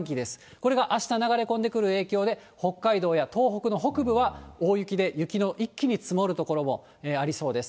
これがあした、流れ込んでくる影響で、北海道や東北の北部は大雪で、雪の一気に積もる所もありそうです。